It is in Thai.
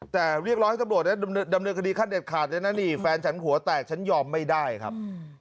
แต่เรียกร้องให้ตำรวจดำเนินคดีขั้นเด็ดขาดเลยนะนี่แฟนฉันหัวแตกฉันยอมไม่ได้ครับ